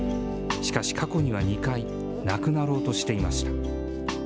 しかし、過去には２回、なくなろうとしていました。